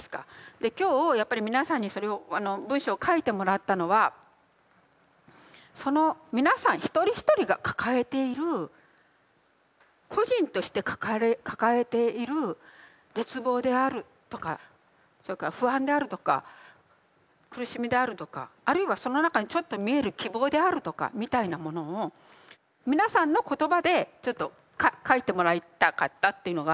で今日やっぱり皆さんにそれを文章を書いてもらったのはその皆さん一人一人が抱えている個人として抱えている絶望であるとかそれから不安であるとか苦しみであるとかあるいはその中にちょっと見える希望であるとかみたいなものを皆さんの言葉でちょっと書いてもらいたかったというのがあって。